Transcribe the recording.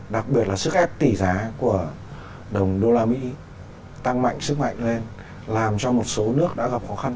đặc biệt là sức ép tỷ giá của đồng đô la mỹ tăng mạnh sức mạnh lên làm cho một số nước đã gặp khó khăn